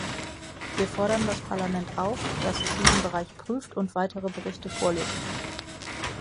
Wir fordern das Parlament auf, dass es diesen Bereich prüft und weitere Berichte vorlegt.